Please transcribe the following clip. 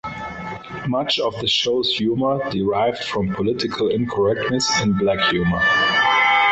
Much of the show's humour derived from political incorrectness and black humour.